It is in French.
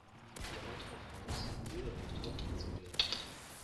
Il rentre en France, le avec trois prises anglaises.